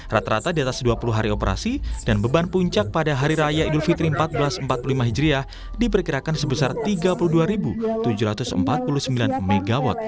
rata rata di atas dua puluh hari operasi dan beban puncak pada hari raya idul fitri seribu empat ratus empat puluh lima hijriah diperkirakan sebesar tiga puluh dua tujuh ratus empat puluh sembilan mw